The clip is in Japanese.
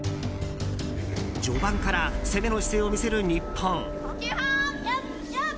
序盤から攻めの姿勢を見せる日本。